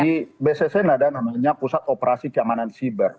di bssn ada namanya pusat operasi keamanan siber